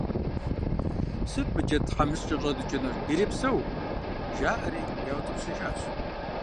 – Сыт мы джэд тхьэмыщкӀэр щӀэдукӀынур, ирепсэу, – жаӀэри яутӀыпщыжащ.